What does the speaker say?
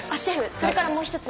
それからもう一つ。